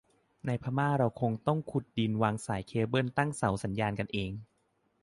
ในพม่าเราคงต้องขุดดินวางเคเบิลตั้งเสาสัญญาณกันเอง